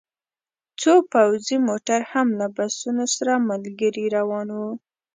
څو پوځي موټر هم له بسونو سره ملګري روان وو